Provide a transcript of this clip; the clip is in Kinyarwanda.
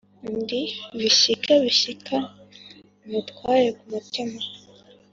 ndi bishyika bishyika umutware ku mutima